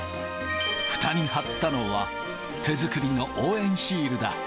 ふたに貼ったのは、手作りの応援シールだ。